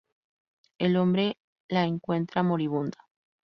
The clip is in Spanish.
El hombre la encuentra moribunda.